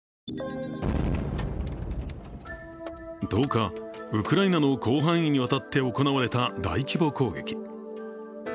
１０日、ウクライナの広範囲にわたって行われた大規模攻撃。